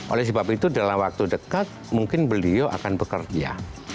oleh sebab itu dalam waktu dekat mungkin beliau akan bekerja